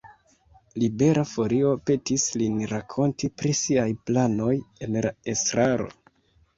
Libera Folio petis lin rakonti pri siaj planoj en la estraro.